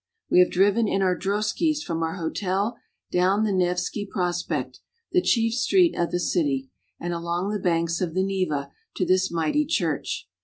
We have driven in our droskies from our hotel down the Nevski Prospekt, the chief street of the city, and along the banks of the Neva, to this mighty church.